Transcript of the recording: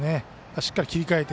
しっかり切り替えて。